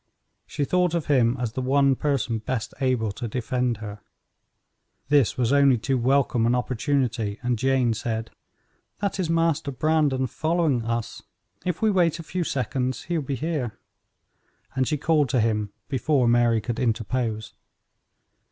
She thought of him as the one person best able to defend her. This was only too welcome an opportunity, and Jane said: "That is Master Brandon following us. If we wait a few seconds he will be here," and she called to him before Mary could interpose.